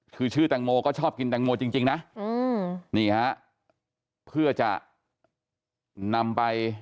คือชื่อตังโมก็ชอบกินตังโมจริงนะ